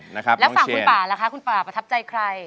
แล้วฝั่งคุณป่าล่ะคะคุณป่าประทับใจใคร